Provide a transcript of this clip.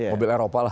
mobil eropa lah